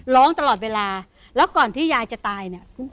ร้องตลอดเวลาแล้วก่อนที่ยายจะตายเนี่ย